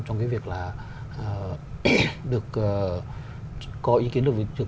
trong cái việc là được có ý kiến được